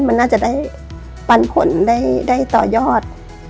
มันน่าจะได้ปันผลได้ต่อยอด